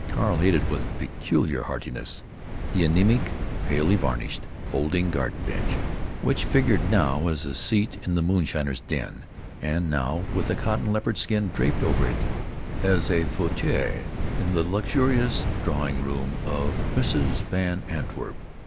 Carl hated with peculiar heartiness the anemic, palely varnished, folding garden bench, which figured now as a seat in the moonshiner's den, and now, with a cotton leopard skin draped over it, as a fauteuil in the luxurious drawing room of Mrs. Van Antwerp.